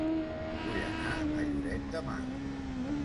Vull anar a Lloret de Mar